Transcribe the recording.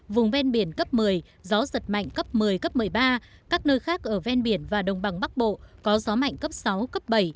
vùng ven biển cấp một mươi gió giật mạnh cấp một mươi cấp một mươi ba các nơi khác ở ven biển và đồng bằng bắc bộ có gió mạnh cấp sáu cấp bảy